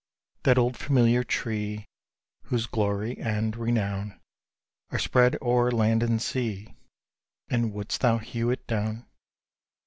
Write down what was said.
That old familiar tree, Whose glory and renown Are spread o'er land and sea And wouldst thou hew it down?